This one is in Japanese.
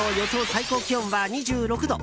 最高気温は２６度。